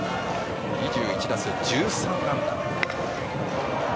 ２１打数１３安打。